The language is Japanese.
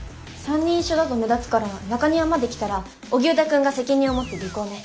３人一緒だと目立つから中庭まで来たら荻生田くんが責任を持って尾行ね。